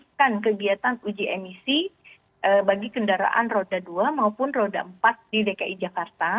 kita akan kegiatan uji emisi bagi kendaraan roda dua maupun roda empat di dki jakarta